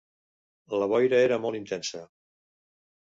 La boira era molt intensa.